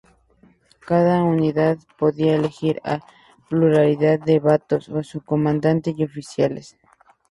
Cada unidad podía elegir "a pluralidad de votos" a su comandante y oficiales.